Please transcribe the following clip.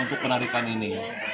untuk penarikan ini